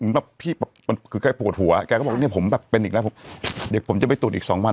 แบบพี่คือแกปวดหัวแกก็บอกเนี่ยผมแบบเป็นอีกแล้วเดี๋ยวผมจะไปตรวจอีกสองวัน